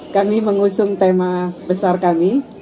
kami mengusung tema besar kami